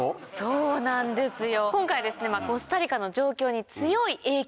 そうなんですよ。